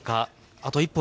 あと一歩